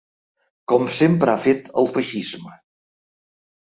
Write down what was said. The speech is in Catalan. Com sempre ha fet el feixisme.